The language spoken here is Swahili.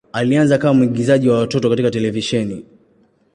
Alianza kama mwigizaji wa watoto katika televisheni.